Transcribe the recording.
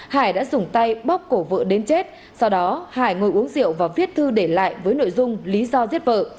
hải đã dùng tay bóc cổ vợ đến chết sau đó hải ngồi uống rượu và viết thư để lại với nội dung lý do giết vợ